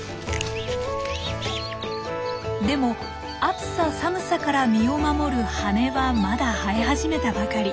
でも暑さ寒さから身を守る羽はまだ生え始めたばかり。